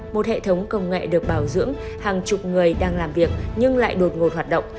một hệ thống công nghệ được bảo dưỡng hàng chục người đang làm việc nhưng lại đột ngột hoạt động